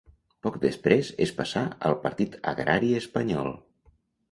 Poc després es passà al Partit Agrari Espanyol.